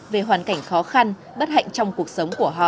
về hoàn cảnh khó khăn bất hạnh trong cuộc sống của họ